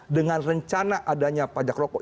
dengan rencana adanya pajak rokok